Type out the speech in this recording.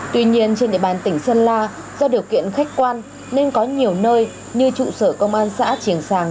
tuy nhiên trên địa bàn tỉnh sơn la do điều kiện khách quan nên có nhiều nơi như trụ sở công an xã triển sàng